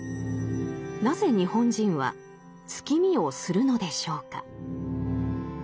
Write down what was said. なぜ日本人は月見をするのでしょうか。